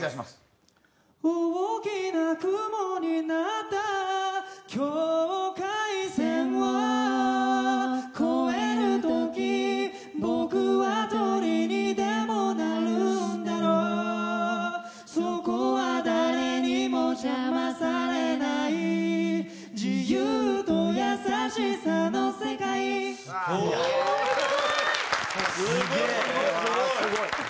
すごい！